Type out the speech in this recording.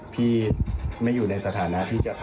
พี่ไม่อยู่ในสถานะพี่จะทำอะไรได้แล้วตอนนี้